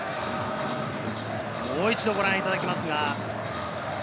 もう一度ご覧いただきます。